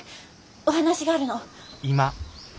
お話があるの。